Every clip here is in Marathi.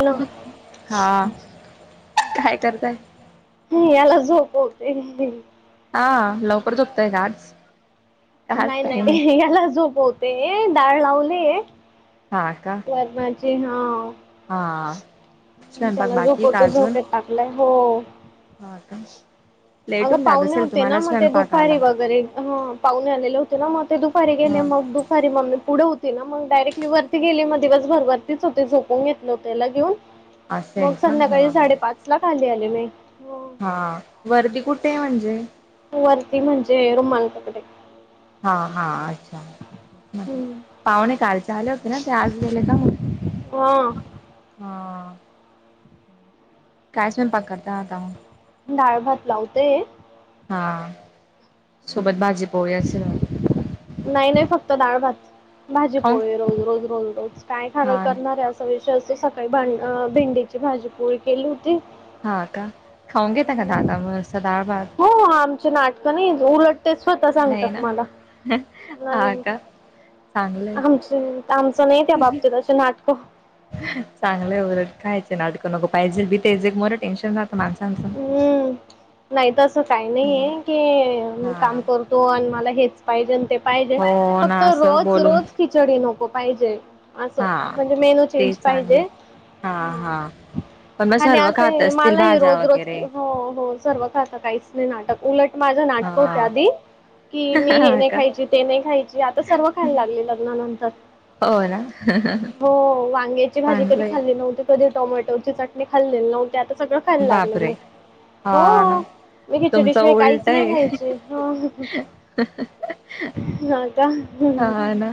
हॅलो हा, काय करताय? मी याला झोपवतेय. हा लवकरचुकतय गज नाही -नाही याला झोपवते, डाळ लावलेय हा का. त्यात माझी हा, हा स्वयंपाक त्याला बाकी का झोपवतो अजून झोपेत टाकत लहो हा का लेट अगं होऊन जात पावले असेल होते ना तुम्हाला मग ते स्वयंपाकाला दुपारी वगैरे ह पाहून आलेले होते ना मग ते दुपारी गेले हा मग दुपारी मगी पुढे होती ना मगडायरेक्ली वर गेली मग दिवस भरभरतीच होते झोपून घेतलं होतेला घेऊन असं मग आहे का हा संध्याकाळी साडेपाच खाली आली म हा वर्दी कुठे आहे म्हणजे वरती म्हणजे रुमल तकडे हा हा अच्छा हम्म पाहुणे काल आले होते ना ते आज गेले का हो हा हम काॅश म पकता आता डाळ भात लावतेय हा सोबत हम्म भाजी पोहच नाही नाही फक्त डाळ भात भाजी खाऊन पोळी रोज रोज रोज रोज काय खार हा ना करणार आहे असा विषय असो सकाळी भां भेंडीची भाजी पोळी केली होती हा का खाऊंगे त का दा का म सदारबाग हो आमचे नाटकं नाही उलटते स्वतः नाही सांगतात ना मला नाही हा का चांगलंय आमच आमचं नाही त्या बाबतीत अस नाटकं चांगलंय वग खायचं नाटकं नग पाहिजे बीतायचे मोर टेन्शन जातं माणसांचं हम्म नाही तर असं काही नाही आहे की मी हा काम करतो आणि मला हेच पाहिजे आणि ते पाहिजे हो ना फक्त असं रोज बोलून रोज खिचडी नको पाहिजे असो हा म्हणजे मेनू ते चेंज चांगलं पाहिजे हा ह हा पण मग आणि सर्व खात असं असतील मलाही भाज्या रोज रोज वगैरे हो हो सर्व खातं काहीच नाही नाटक उलट माझं हा नाटक होत आधी कि मी हे हा नाही का खायची ते नाही खायची आता सर्व खायला लागले लग्नानंतर हा हा ह हो वांग्याची भाजी तरी खाल्ली नव्हती कधी टोमॅटोची चटणी खाल्लेली नव्हती आता सगळं खायला लागलं बापरे मी हा हो ना मी तुमचं घ्याय ोटशिवाय काहीच उलट नाही आहे खायचे ह का हा ना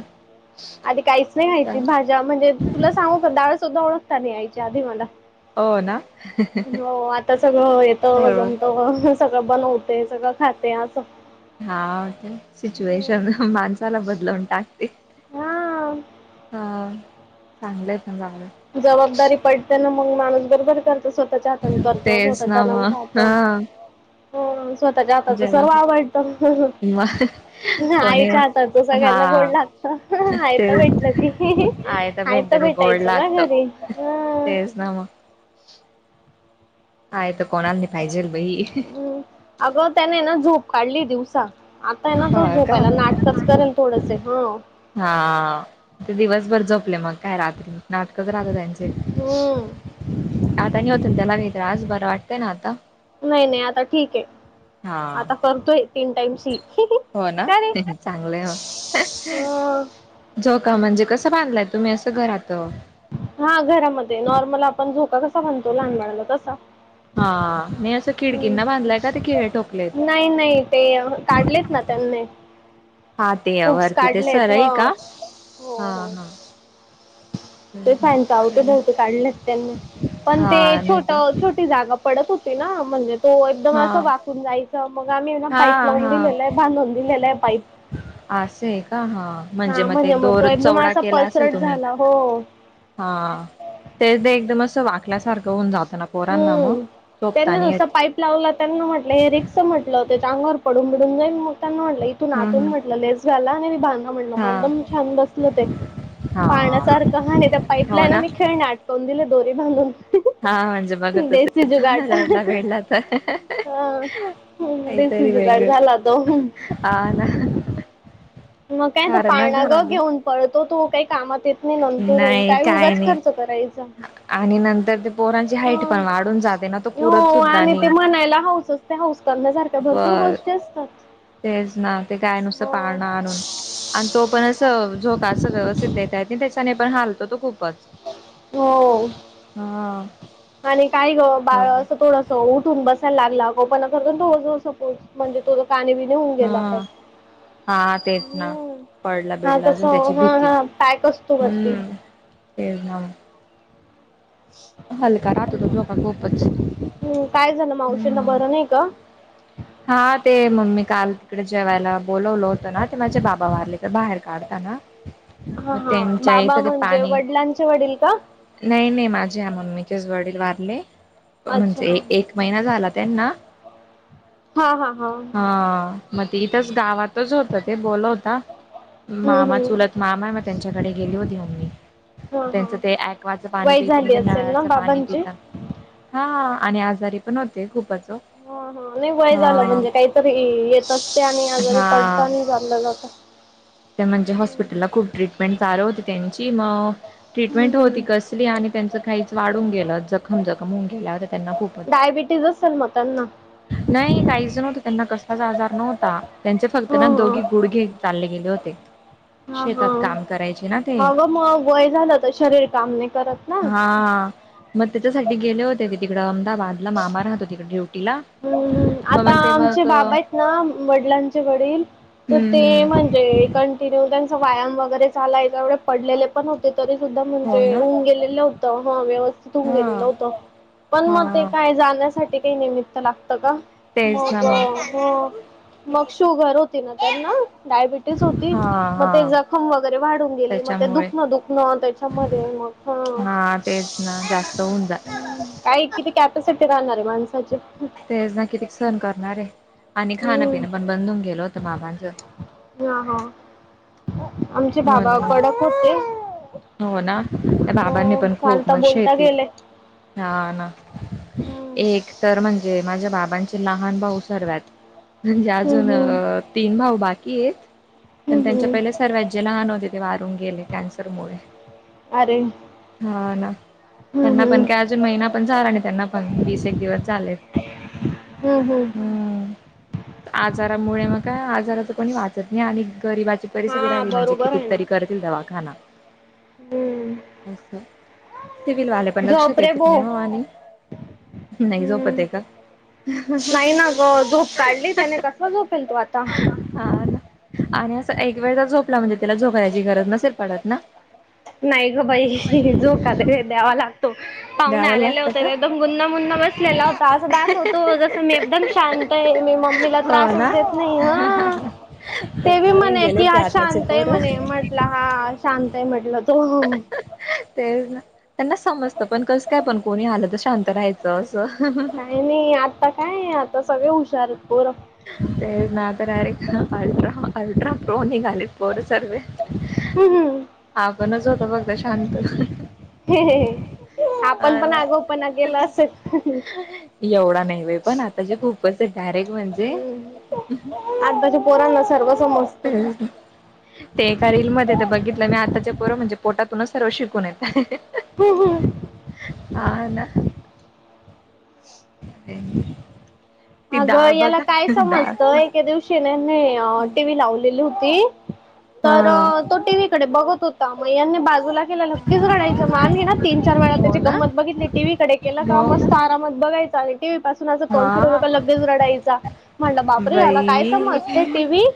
आधी काहीच नाही खायची भाजी म्हणजे तुला सांगू का डा्या सुद्धा ओळखता नाही यायच्या आधी मला हो ना हो आता सगळं येत सर्व जमत सगळं बनवते सगळं खाते असं हा सिच्युएशन हा माणसाला बदलवून टाक ह चांगलंय पण जागलं जबाबदारी पडते ना मग माणूस बरोबर करतचत छोट चादण करतो तेच छोटं ना चादण मग खातो हा हो स्वतःच्या हाताच जेव्हा सर्व आवडत मग कोणी आईच्या हाताच सगळ्यांना हा गडला आयता तेच भेटलं की आहे तर भेटत आयता ते भेटायचो ना घरी अ नाम हाय तर कोणा नाही पाहिजेल बई ह अगं त्याने ना झोप काढली दिवसा आता ना तो हा का झोपायला नाटकच करेल थोडसे हं हा ते दिवसभर झोपले मग काय रात्री नाटकच राहत त्यांचे हम् आता नाही होत त्याला मात आज बरं वाटतंय ना आता नाही नाही आता ठीक आहे हा आता करतोय तीन टाइम्स ही हो ना चांगलंय मग. ह झोका म्हणजे कसं बांधलाय तुम्ही असं घरात अ हा घरामध्ये नॉर्मल आपण झोका कसा बाणतो लहान बाळाला तसा. हा नाही असं हम्म. खिडकींना बांधलाय का ते खिळ ठोकलेत. नाही नाही ते काढलेत ना त्यांनी. हा ते हूक्स वरती ते काढलेत ह सरई का हो हा हो. हा ते फ्याणच हाय ते बहुतेक काढलेत त्यांनी पण ते हा नाही छोट का छोटी जागा पडत होते ना म्हणजे तो एकदम हा असं वाचून जाय चा मग आम्ही ना हा पाईप लावून दिलेलाय बांधून दिलेलाय पाईप. असे हाय का हा म्हणजे हा मग ते दोर तो एकदम चौडा असा केला असल पसरट तुम्ही. झाला हो हा तेच ते एकदम आस वाकल्या सारखं हून जातना पोरांना मग झोपता नाय येत लावलं त्यांना म्हटलं हे रिक्स हाय म्हटलं त्याच्या अंगावर पडून भिडून जाई मग त्यांना म्हटलं तून हम्म आतून हम्म म्हटलं लेस व्याला आणि बाणधु म्हणल मग हा एकदम छान बसलं ते हा पाण्यासारखं हा नाही त्या हो पाईपलाईन ना मी खेळणे अटक काऊंन दिलं दोरे बांधून. हा म्हणजे बघतच देसी जुगाड रडला वेडला तर हा. ह देशी काहीतरी जुगाड वेगळं झाला तो. हा ना मग काय तो कारण ना पाळणाग घराने घेऊन परत तो काही कामात येत नाही नंतरून नाही काय उगाच नाही खर्च करायच. आणि नंतर तो पोरांची हाईट पण ह वाढून जाते ना पुरत हो सुद्धा आणि ते नाही. म्हणायला हऊसच ते हौस करण्यासारख्या भरपूर बर गोष्टी असतात. तेच ना ते काय नुसतं हो पाळणा आणून आणि तो पण असं झोका अस व्यवस्थित देता येत नाही त्याच्याने पण हालतो तो खूपच. हो हा आणि काय ग बाळ बरोबर असं थोड स तो उठून बसायला लागला, आगावपणा करतो जस सपोज. म्हणजे तो जर काण बिन होऊन गेला तर, हा हा तेच ना हम्म पडला हा बिडला तस अजून त्याची हा भीती हा पॅक असतो वरती हम् तेच ना. ह [unintelligible] हलका राहतो तो झोका खूपच. हम्म. होय का. हा ते मम्मी काल तिकडे जेवायला बोलवल होतं ना ते माझ्या बा बा वारले तर बाहेर काढताना. हा मग हा त्यांच्या बाबा इथं ते म्हणजे पाणी वडिलांचे वडील का? नाही नाही माझ्या मम्मीचेच वडील वारले अच्छा म्हणजे एक महिना झाला त्यांना, हा हा हा हा मग ते इथंच गावातच होतं ते बोलवता हम्म मामा हम्म चुलत मामा हाय मग त्यांच्याकडे गेली होती ममी. हा त्यांचं हा ते ऐकवाचं पाणी वय पित झाली नाही असेल ना नळाचं पाणी बाबांची पीता. हा आणि आजारी पण होते खूपच ओ. ह हा नाही वय झालं हा म्हणजे काहीतरी येतच ते आणि आजारी पडता हा आणि चालले जाता. ते म्हणजे हॉस्पिटलला खूप ट्रीटमेंट चालू होती त्यांची मग ट्रीटमेंट हम्म होती हम्म कसली आणि त्यांचं काहीच वाढून गेलं जखम जखम होऊन गेल्या होत्या त्यांना खूपच डायबेटीज असेल मग त्यांना. नाही काहीच नव्हतं त्यांना कसलाच आजार नव्हता त्यांचे फक्त हां ना हां दोघी गुडघे चालले गेले होते. ते हां शेतात काम हां करायचे ना ते हां गं मग वय झालं तर शरीर काम नाही करत ना हा. मग त्याच्यासाठी गेले होते ते तिकडडे अहमदाबादला मामा राहतो तिकडे ड्युटीला. हम्मम्म मग आता मग ते आमचे मग बाबा हम्म [unintelligible] ना वडिलांचे वडील तर ते हम्म म्हणजे [unintelligible] कंटिन्यू त्यांचा व्यायाम वगैरे झालाय एवढे पडलेले [unintelligible] पण होते तरी सुद्धा हो ना म्हणजेऊन गेलेलं होतं ह व्यवस्थ [unintelligible] तिथून हा गेलेल होतं पण मग ते हा काय जाण्यासाठी काही निमित्त लागतं का [unintelligible] तेच ना मग ह [unintelligible] मग शुगर होती ना त्यांना डायबिटीस होती हा मग हा ते जखम वगैरे वाढून गेली मग ते दु त्याच्यामुळे दुखणं त्याच्यामध्ये मग हा तेच ना जास्त होऊन जा काय किती कॅपॅसिटी राहणार आहे माणसाची [unintelligible] तेच ना किती सण करणार आहे आणि हम्म खाण्यापिन पण बधून गेलो होतं माबांचं [unintelligible] हा हा आमचे भाबा म्हणून मग कडक होते [unintelligible] हो ना त्या बाबांनी हो पण खूप चालता मनसे बोलता येत गेले [unintelligible] हा ना हम्म एक तर म्हणजे माझ्या बाबांची [unintelligible] लहान भाऊ सर्वत म्हणजे अजून हम्म तीन भाऊ बाकी आहेत [unintelligible] पण हम्म त्यांच्या हम्म पहिले सर्व जे लहान होते ते वारून गेले कॅन्सर मु [unintelligible] अरे हा ना [unintelligible] हम्म त्यांना पण हम्म काय अजून महिना पण झाला नाही त्यांना पण वीस एक दिवस चालेत [unintelligible] हम्म हम्म [unintelligible] आजारामुळे मग का आजाराच कोणी वाचत नाही आणि गरिबाची परिस्थिती हा राहिली म्हणजे बरोबर कितीत आहे ना तरी तील दवा खा [unintelligible] हम्म अच सिवल वाे प नक्शा झोप रे देेतत बो नाही मवाली [unintelligible] नाही हम्म झोपत का [unintelligible] नाही ना ग झोप काढली त्याने कसला झोप येल तो आता [unintelligible] हा ना. आणि असं एक वेळचा झोपला म्हणजे त्याला झोकरायची गरज नसेर पडत ना [unintelligible] नाही ग बाई झो का द्यावा लागतो पाहुणे द्याव आलेले लागतं होते का? [unintelligible] गुन््हा मुन् बसलेला [unintelligible] असं दाखवतो जसं मी एकदम शांत आहे मी मम्मीला हो त्रासच ना. देत नाही ह ते बी कंटाळून म्हणे गेले कि ते हा आताचे शांत आहे पोरं. म्हणे म्हटलं हा शांत आहे म्हटलं तो ते ना [unintelligible] त्यांना समजतं पण कसं काय पण कोणी आलं तर शांत राहायचं असं [unintelligible] काय नाही आता काय आता सगळे हुशार बोर [unintelligible] ते ना तरर अल्ट्रा अल्ट्रा प्रो नि घालीित पर सर्वे [unintelligible] हम् हम [unintelligible] आपणच होत फघत शांत [unintelligible] ह ह [unintelligible] अ ना असेल एवढा नाही व पण आताची खूप [unintelligible] कस गॅरेक म्हणजे [unintelligible] आत्ताज पोरांना सर्वच [unintelligible] ते एका रीलमध्येध्ये तर बघितलं मी आताच्या पोर म्हणजे [unintelligible] पोटातूनच सर्व शिकून येत हम्म हम्म. हा ना [unintelligible] ह [unintelligible] तेन [unintelligible] अगं याला काय समजतं एके दिवशी ननी टीव्ही लावलेली होती [unintelligible] हा ताई तर तो टीव कडे बघत होता मया बाजूला [unintelligible] अगदीच रडायचा ना तीन चार वेळा हो त्याची ना गंमत बघितली टीव्ही कडे केलं का मस्त मग आरामात बघायचं टीव्ही पासून आस तोंड फिरवला हा का लगेच रडायचा म्हणलं बापरे याला काय बाई समजते टीव्ही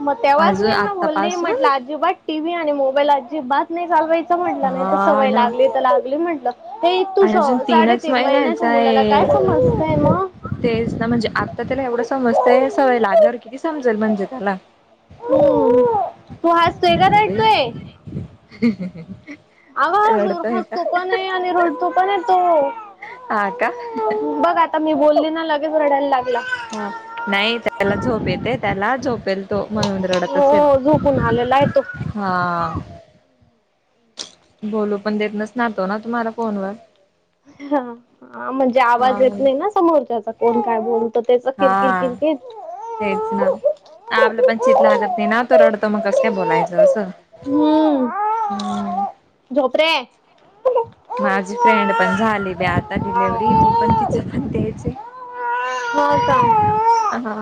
मग तेव्हाच मी अजून यांना बोलली म्हटलं आतापासून आ [unintelligible] अजिबात टीव्ही आणि मोबाईल अजिबात नाही चालवायचं म्हटलं नाही तर हा सवय ना लागली तर लागली म्हटलं [unintelligible] हे तू स आणि अजून तीनच साडेतीीन महिन्याच महिन्याच्या मुलाला आहे काय समजतय मग [unintelligible] तेच ना म्हणजे आत्ता त्याला एवढं समजतंय सवय लागल्यावर किती समजेल म्हणजे त्याला [unintelligible] हो तू हसतोय का रटतोय ह् ह आवाजोर हसतो पण आहे आणि रुडतो पण आहे तो हा का बघ आता मी बोलली ना लगेच रडायला लागते तो नाही त्याला झोप येतो त्याला झोपेल तो म्हणुन रडत असेल हो झोपून आलेला आहे तो हां बोलू पण देतनच नसनार ना तुम्हाला फोन वर ह हा म्हणजे हा आवाज येत नाही ना समोरच्याचा कोण काय बोल त्याच किरकिर हा किरकर तेच ना आपलं पण चितं लागत नाही ना तो रडतो मग कसं काय बोलायचं असं हो तु़़ झोप रे माझी फ्रेंड पण झालेली आता डिलेव्हरी ती पण तिच पण द्यायच म का [inaudible] हा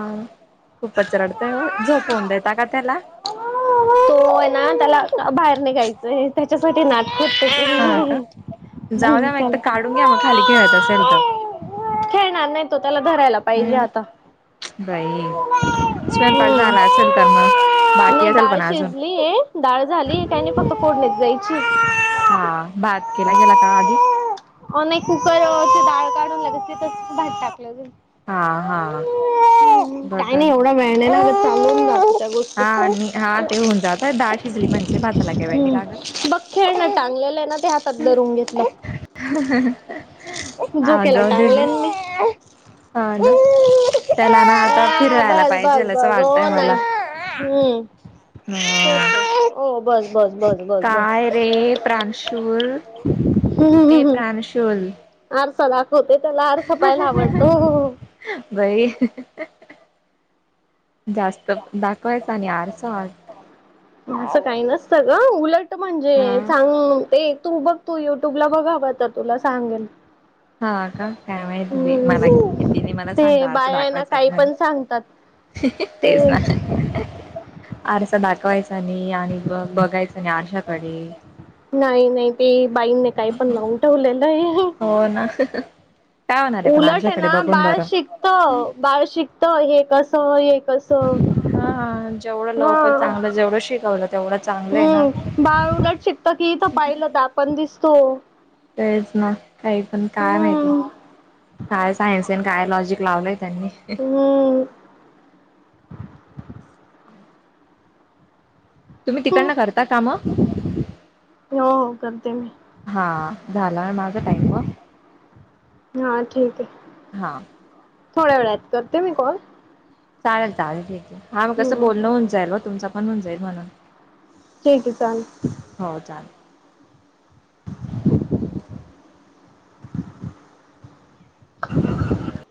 खूप च रडतोय झोपवून देऊन द्या का तो त्याला हो आहे ना त्याला बाहेर निघायचंय त्याच्यासाठी नाट हा का जाऊ म्हने द्या मग एक तर त्याला काढून घ्या मग खाली खेळत असेल खेळणार नाही तो त्याला धरायला पाहिजे तर आता बाई हम्म. स्वयंपाक झाला असेल तर मग बाकी असेल पण अजून हो डाळ झाली काही नाही फक्त फोडनी द्यायची आहे हा भात केला गेला का आधी अ नाही कुकरवर चीडाळ काढून लागत तस भात टाकलंे हा हा बघान वेगाने चालून गोष्ट आणि हा ते होऊन जात डाळ शिजली म्हणजे भाताला काही वेळ नाही हम्म लागत ब खेळ ना चांगलेलं आहे ना ते हातात धरून घेत नाही ह ह आता झोपलाय की हा ना त्याला ना आता फिरवायला पाहिजेल असं बस हो वाटतय नाही मला हम्म ते हो अ तेच बस बस बस बस बस काय रे प्रांशूल हे प्रांांशूल आरसा दाखवते त्याला आरसा पाहायला आवडत ह ह अ बई ह ह जास्त दाखवायच आणि आरसा अस काही नसत ग उलट म्हणजे हा चांग ते येतील बघ तू युट्यूब ला बघावं तर तुला सांगेल हा काय माहि हम्म मला मला ते सांगता असं बाया आहे ना दाखवायचं नाही काही पण सांगतात हू हु तेच ते ना आरसा दाखवायचा नाही आणि ब बघायचा नाही आरशाकडे नाही नाही ते बाईंने काही पण लावून ठेवलेलं आहे हो ना ह ह उलट आहे ना बाळ शिकत बाळ शिकत हे कस हे कस हा जेवढं लवकर चांगलं जेवढं शिकवलं तेवढं चांगलं आहे ना हम्म बाळ उलट शिकत की इथं पाहिलं तर पण दिसतो प्रच ना काही पण काय माहिती हम्म काय सायन्स आणि काय लॉजिक लावलंय त्यांनी हुम तुम्ही हम्म तिकडनं करता का मग हो हो करते मी [unintelligible] हा झाला माझा टँक व [unintelligible] हा ठीक आहे [unintelligible] हा [unintelligible] थोड्या वेळात करते मी कॉल [unintelligible] चालेल चालेल ठीक आहे हा मग कसं हम्म बोलणं होऊन जाईल म तुमचा पण होऊन जाईल म्हणून [unintelligible] ठीक आहे चाले [unintelligible] हो चालेल [unintelligible] [unintelligible] ह [unintelligible]